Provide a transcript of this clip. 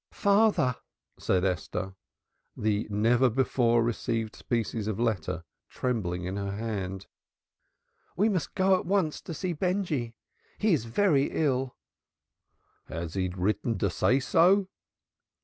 "Father," said Esther, the never before received species of letter trembling in her hand, "we must go at once to see Benjy. He is very ill." "Has he written to say so?"